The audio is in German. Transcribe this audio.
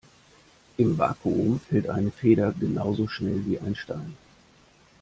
Im Vakuum fällt eine Feder genauso schnell wie ein Stein.